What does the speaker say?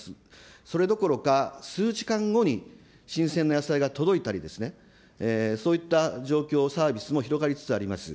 それどころか、数時間後に新鮮な野菜が届いたりですね、そういった状況、サービスも広がりつつあります。